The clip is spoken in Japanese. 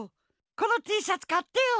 このティーシャツかってよ。